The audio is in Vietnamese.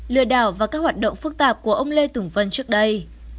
lừa đảo và các hoạt động phức tạp của ông lê tùng vân trước đây